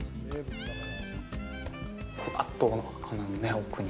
ふわっと鼻の奥に。